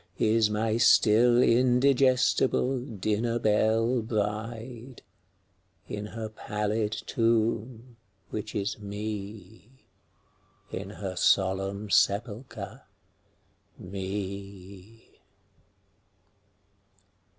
Is n^y still indigestible dinner belle bride, In her pallid tomb, which is Me, In her solemn sepulcher, Me.